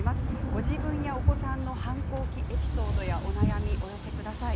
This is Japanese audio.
ご自分やお子さんの反抗期エピソードやお悩みをお寄せください。